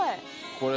これ。